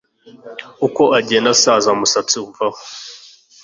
uko ugenda usaza umusatsi uvaho.